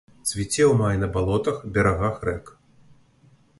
Цвіце ў маі на балотах, берагах рэк.